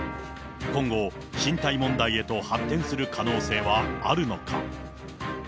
今後、進退問題へと発展する可能性はあるのか。